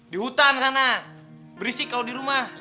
di hutan sana berisik kalau di rumah